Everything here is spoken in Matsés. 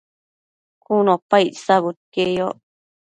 cun opa icsabudquieyoc